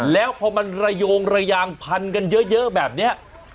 แล้วพอมันระโยงระยางพันกันเยอะแบบนี้